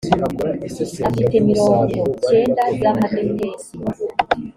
afite mirongo cyenda z amadetesi